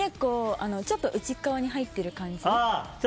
ちょっと内側に入ってる感じ。